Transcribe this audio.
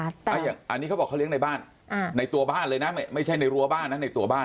อันนี้เขาบอกเขาเลี้ยงในบ้านในตัวบ้านเลยนะไม่ใช่ในรั้วบ้านนะในตัวบ้าน